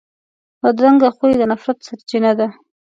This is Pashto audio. بدرنګه خوی د نفرت سرچینه ده